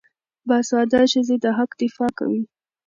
باسواده ښځې د حق دفاع کوي.